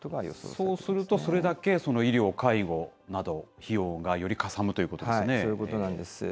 そうすると、それだけその医療、介護など費用がよりかさむとそういうことなんです。